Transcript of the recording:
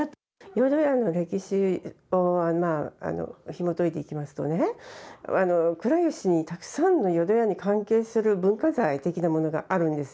淀屋の歴史をひもといていきますと倉吉にたくさんの淀屋に関する文化財的なものがあるんです。